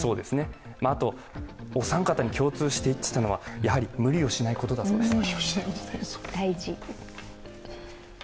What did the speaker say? あとお三方に共通していたのは、やはり無理をしないことだそうです。